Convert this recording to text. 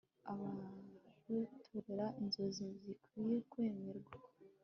abarotorera inzozi zikwiye kwemerwa